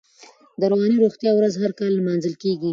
د رواني روغتیا ورځ هر کال نمانځل کېږي.